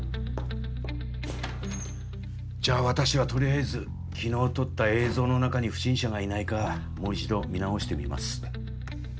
じゃあ私は取りあえず昨日撮った映像の中に不審者がいないかもう一度見直してみます。